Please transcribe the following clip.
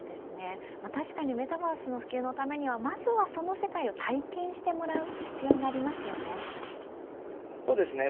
確かにメタバースの普及のためにはまずはその世界を体験してもらう必要がありますよね。